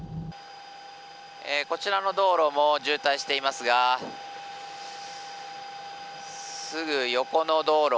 こちらの道路も渋滞していますがすぐ横の道路。